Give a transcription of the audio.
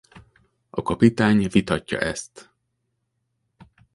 A kapitány vitatja ezt.